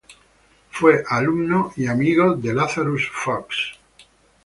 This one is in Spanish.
Fue alumno y amigo de Lazarus Fuchs.